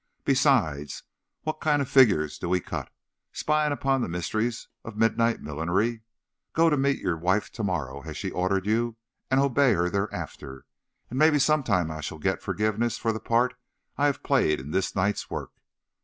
Besides, what kind of figures do we cut, spying upon the mysteries of midnight millinery! Go to meet your wife to morrow, as she ordered you, and obey her thereafter, and maybe some time I shall get forgiveness for the part I have played in this night's work.